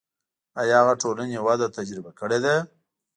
آیا هغه ټولنې وده تجربه کړې ده.